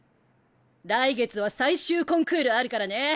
来月は最終コンクールあるからね。